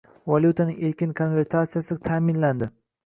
Valutaning erkin konvertatsiyasi ta’minlandi.